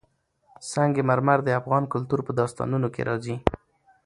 سنگ مرمر د افغان کلتور په داستانونو کې راځي.